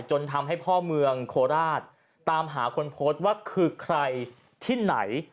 จนทำให้พ่อเมืองโคราชตามหาคนโพสต์ว่าคือใครที่ไหน